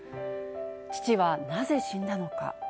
父はなぜ死んだのか。